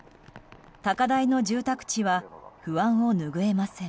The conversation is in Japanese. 高台の住宅地は不安を拭えません。